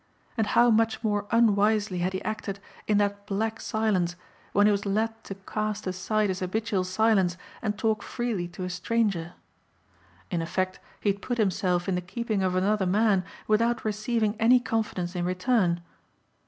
And how much more unwisely had he acted in that black silence when he was led to cast aside his habitual silence and talk freely to a stranger. In effect he had put himself in the keeping of another man without receiving any confidence in return.